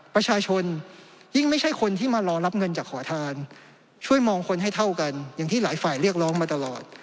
ประชาชนยิ่งไม่ใช่คนที่มารอรับเงินจากขอทานช่วยมองคนให้เท่ากันอย่างที่หลายฝ่ายเรียกร้องมาตลอด